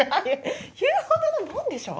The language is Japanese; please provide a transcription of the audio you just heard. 言うほどのもんでしょ？